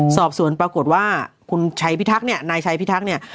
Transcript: สอบสวนปรากฏว่าคุณชัยพิทักษ์เนี่ยนายชัยพิทักษ์เนี่ย